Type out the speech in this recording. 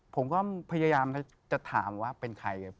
ผมก็พยายามจะถามว่าเป็นใคร